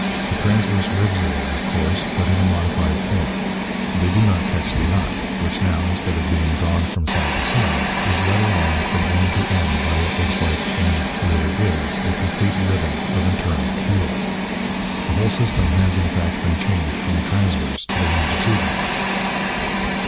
The transverse ribs are there, of course, but in a modified form. They do not catch the eye, which now, instead of being drawn from side to side, is led along from end to end by what looks like, and really is, a complete ribbing of internal keels. The whole system has, in fact, been changed from the transverse to the longitudinal.